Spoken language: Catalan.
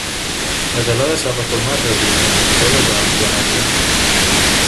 La teulada s'ha reformat reutilitzant les teules de l’antiga masia.